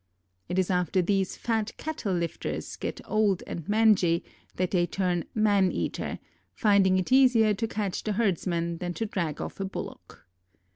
It is after these fat "cattle lifters" get old and mangy that they turn "man eater," finding it easier to catch the herdsman than to drag off a bullock.